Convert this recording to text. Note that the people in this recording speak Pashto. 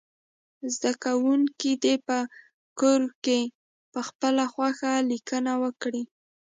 زده کوونکي دې په کور کې پخپله خوښه لیکنه وکړي.